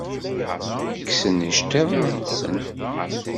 Kksen iceḍḍiḍen-nsen.